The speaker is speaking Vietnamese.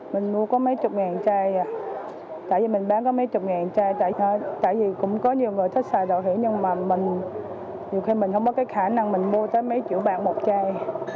mình mua có mấy chục ngàn chai tại vì mình bán có mấy chục ngàn chai tại vì cũng có nhiều người thích xài đậu hỷ nhưng mà nhiều khi mình không có cái khả năng mình mua tới mấy triệu bạc một chai